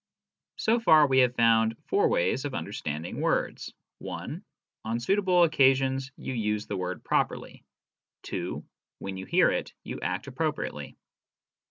So far we have found four ways of understanding words : (1) On suitable occasions you use the word properly. (2) When you hear it, you act appropriately.